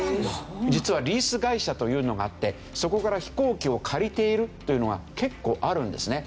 実はリース会社というのがあってそこから飛行機を借りているというのが結構あるんですね。